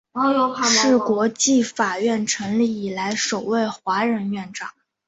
是国际法院成立以来首位华人院长。